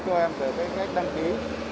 cho em về cách đăng ký